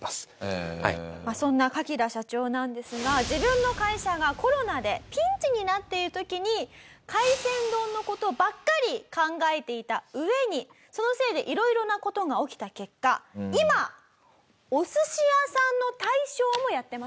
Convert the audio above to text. そんなカキダ社長なんですが自分の会社がコロナでピンチになっている時に海鮮丼の事ばっかり考えていた上にそのせいで色々な事が起きた結果今お寿司屋さんの大将もやってます。